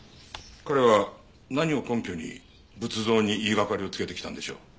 彼は何を根拠に仏像に言い掛かりをつけてきたんでしょう？